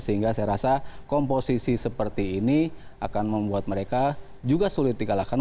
sehingga saya rasa komposisi seperti ini akan membuat mereka juga sulit dikalahkan